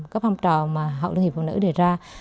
các phong trào mà hội liên hiệp phụ nữ đề ra